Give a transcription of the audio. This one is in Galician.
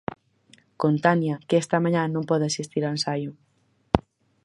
Con Tania, que esta mañá non pode asistir ao ensaio.